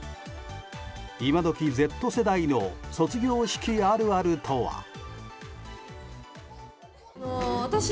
今時Ｚ世代の卒業式あるあるとは。